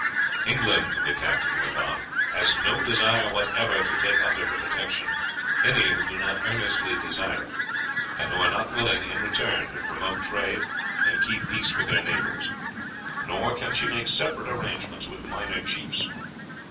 "England," he went on, "has no desire whatever to take under her protection any who do not earnestly desire it, and who are not willing, in return, to promote trade, and keep peace with their neighbors; nor can she make separate arrangements with minor chiefs.